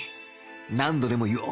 何度でも言おう。